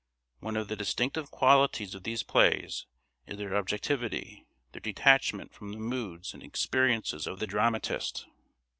One of the distinctive qualities of these plays is their objectivity; their detachment from the moods and experiences of the dramatist.